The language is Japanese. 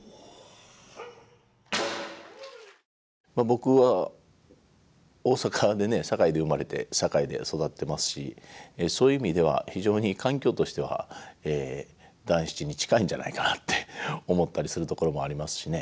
僕は大阪でね堺で生まれて堺で育ってますしそういう意味では非常に環境としては団七に近いんじゃないかなって思ったりするところもありますしね。